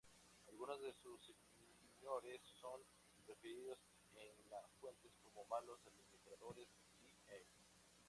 Algunos de sus señores son referidos en la fuentes como "malos administradores", i.e.